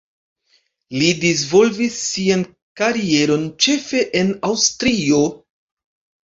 Li disvolvis sian karieron ĉefe en Aŭstrio.